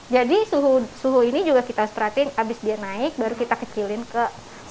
jadi suhu ini juga kita harus perhatiin abis dia naik baru kita kecilin ke satu ratus dua puluh lima c